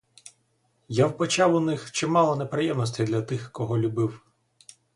Я вбачав у них чимало неприємностей для тих, кого любив.